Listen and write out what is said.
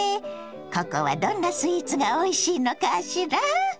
ここはどんなスイーツがおいしいのかしら？